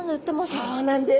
そうなんです。